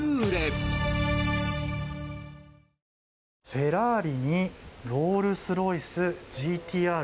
フェラーリにロールス・ロイスＧＴ−Ｒ